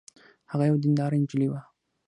هغه یوه دینداره نجلۍ وه